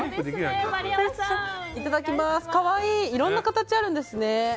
いろんな形あるんですね。